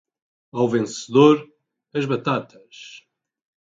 Ao vencedor, as batatas!